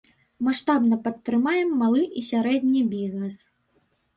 Маштабна падтрымаем малы і сярэдні бізнэс.